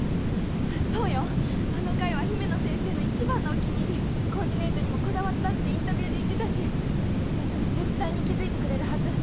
そうよあの回は姫乃先生の一番のお気に入りコーディネートにもこだわったってインタビューで言ってたし先生なら絶対に気づいてくれるはず